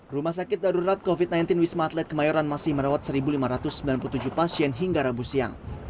rumah sakit darurat covid sembilan belas wisma atlet kemayoran masih merawat satu lima ratus sembilan puluh tujuh pasien hingga rabu siang